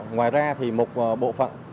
ngoài ra thì một bộ phòng tự tập